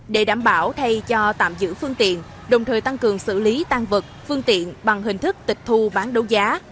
để đảm bảo thay cho tạm giữ phương tiện đồng thời tăng cường xử lý tan vật phương tiện bằng hình thức tịch thu bán đấu giá